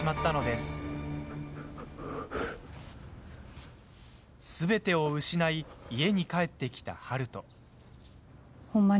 すべてを失い家に帰ってきた悠人。